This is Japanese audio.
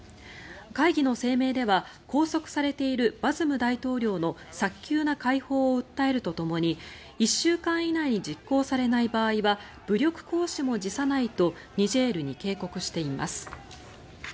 会議の声明では拘束されているバズム大統領の早急な解放を訴えるとともに１週間以内に実行されない場合は武力行使も辞さないとニジェールに警告しています。